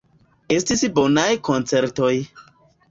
Estis bonaj koncertoj.